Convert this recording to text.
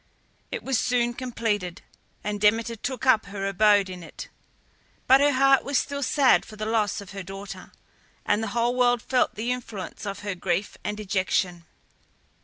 It was soon completed, and Demeter took up her abode in it, but her heart was still sad for the loss of her daughter, and the whole world felt the influence of her grief and dejection.